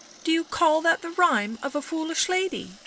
" Do you call that the rhyme of a foolish lady?"